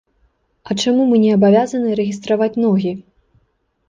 А чаму мы не абавязаны рэгістраваць ногі?